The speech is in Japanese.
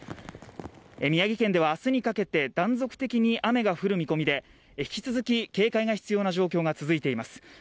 宮城県では明日にかけて断続的に雨が降る見込みで引き続き警戒が必要な状況が続いています。